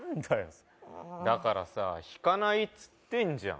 それだからさ引かないっつってんじゃん